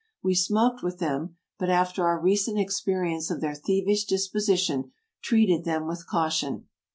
We smoked with them, but, after our recent ex perience of their thievish disposition, treated them with caution."